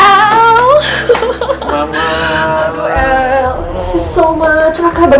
aku mau ke rumah mau berbicara sama dia